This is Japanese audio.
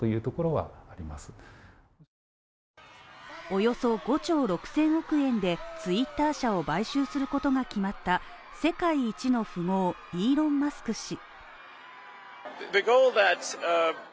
およそ５兆６０００億円で、ツイッター社を買収することが決まった世界一の富豪イーロン・マスク氏。